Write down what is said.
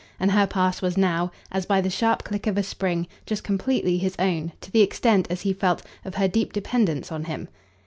And her pass was now, as by the sharp click of a spring, just completely his own to the extent, as he felt, of her deep dependence on him.